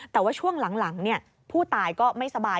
แต่ว่าช่วงหลังผู้ตายก็ไม่สบาย